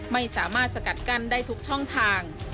ไม่สามารถสกัดกั้นได้ทุกช่องทาง